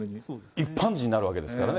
一般人になるわけですからね。